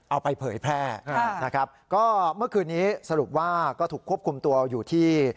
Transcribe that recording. เอาไปเผยแพร่นะครับก็เมื่อคืนนี้สรุปว่าก็ถูกควบคุมตัวอยู่ที่